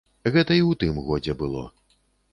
Гэта і ў тым годзе было.